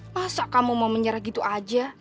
masa kamu mau menyerah gitu aja